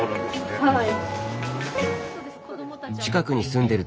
はい。